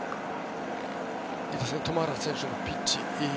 トマラ選手のピッチ